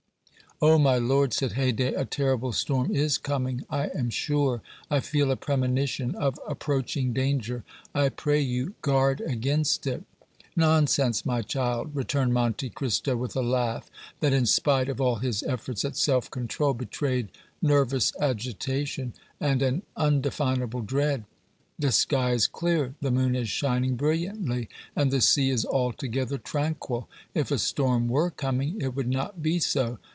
"Oh! my lord," said Haydée, "a terrible storm is coming, I am sure; I feel a premonition Of approaching danger. I pray you, guard against it." "Nonsense, my child," returned Monte Cristo, with a laugh that, in spite of all his efforts at self control, betrayed nervous agitation and an undefinable dread. "The sky is clear, the moon is shining brilliantly and the sea is altogether tranquil; if a storm were coming it would not be so.